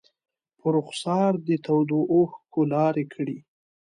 په رخسار دې تودو اوښکو لارې کړي